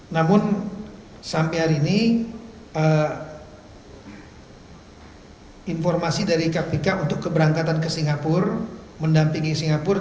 namun sampai hari ini informasi dari kpk untuk keberangkatan ke singapura mendampingi singapura